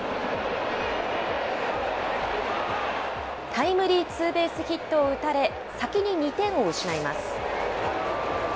タイムリーツーベースヒットを打たれ、先に２点を失います。